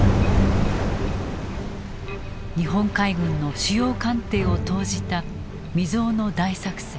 日本海軍の主要艦艇を投じた未曽有の大作戦。